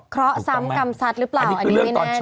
เพราะซ้ำกรรมสัตว์หรือเปล่าอันนี้ไม่แน่ใจ